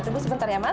tunggu sebentar ya mas